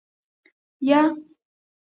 يه.